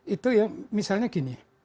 itu ya misalnya gini